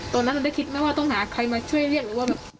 ตอนนั้นได้คิดว่าต้องหาใครมาช่วยเรียกหรือว่า